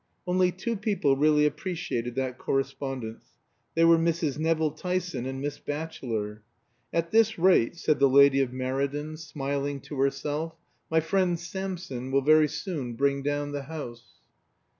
Only two people really appreciated that correspondence. They were Mrs. Nevill Tyson and Miss Batchelor. "At this rate," said the lady of Meriden, smiling to herself, "my friend Samson will very soon bring down the house."